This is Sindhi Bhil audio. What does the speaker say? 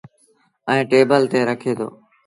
ائيٚݩ ٽيبل تي رکي دو۔